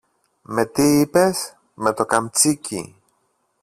Με τι, είπες; Με το καμτσίκι!